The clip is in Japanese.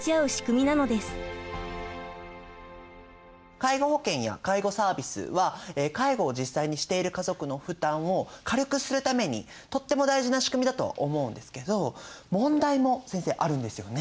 介護保険や介護サービスは介護を実際にしている家族の負担を軽くするためにとっても大事な仕組みだとは思うんですけど問題も先生あるんですよね？